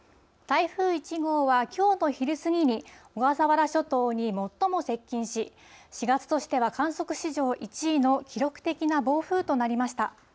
台風１号はきょうの昼過ぎに小笠原諸島に最も接近し、４月としては観測史上１位の記録的な暴風となりました。